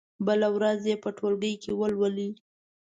بله ورځ يې په ټولګي کې ولولئ.